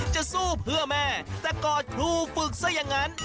จะสู้เพื่อแม่แต่กอดครูฝึกซะอย่างนั้น